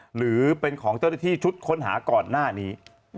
หรือเป็นของเจ้าหน้าที่ชุดค้นหาก่อนหน้านี้